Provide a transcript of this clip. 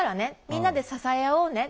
みんなで支え合おうね。